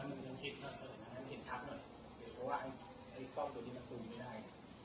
อ่ะแม่แผงแล้ววันนี้ว่าตัวแม่ขอเจ๊ข้อนิดนึงต้องเสร็จนะเอ่อ